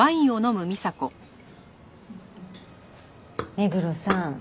目黒さん。